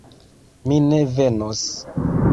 Mi ne venos.